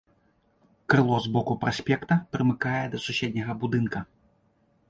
Крыло з боку праспекта прымыкае да суседняга будынка.